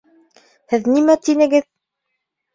Һеҙ нимә тинегеҙ?